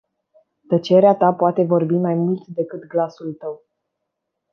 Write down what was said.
Tăcerea ta poate vorbi mai mult decât glasul tău.